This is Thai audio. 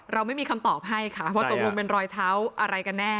เราไม่มีคำตอบให้ค่ะเพราะตรงนี้มันรอยเท้าอะไรกันแน่